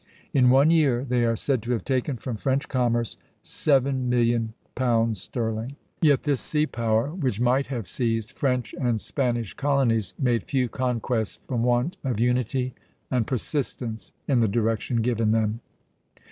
In one year they are said to have taken from French commerce £7,000,000 sterling. Yet this sea power, which might have seized French and Spanish colonies, made few conquests from want of unity and persistence in the direction given them."